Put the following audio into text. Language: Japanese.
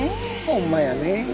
ホンマやねえ。